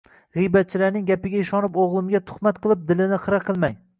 G`iybatchilarning gapiga ishonib, o`g`limga tuhmat qilib, dilini xira qilmang